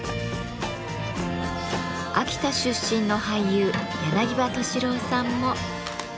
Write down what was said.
秋田出身の俳優柳葉敏郎さんも。